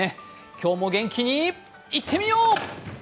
今日も元気にいってみよう！